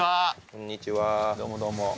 こんにちはどうもどうも。